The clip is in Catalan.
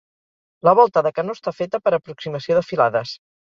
La volta de canó està feta per aproximació de filades.